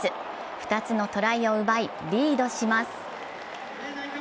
２つのトライを奪い、リードします。